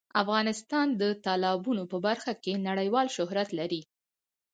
افغانستان د تالابونه په برخه کې نړیوال شهرت لري.